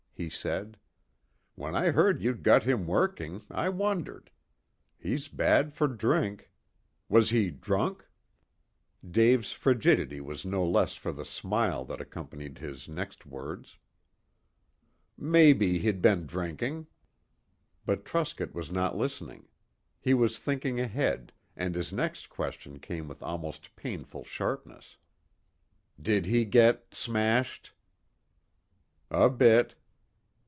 he said. "When I heard you'd got him working I wondered. He's bad for drink. Was he drunk?" Dave's frigidity was no less for the smile that accompanied his next words. "Maybe he'd been drinking." But Truscott was not listening. He was thinking ahead, and his next question came with almost painful sharpness. "Did he get smashed?" "A bit."